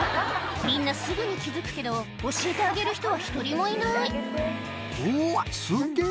みんなすぐに気付くけど教えてあげる人は１人もいないうわすっげぇ！